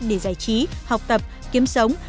để giải trí học tập kiếm sống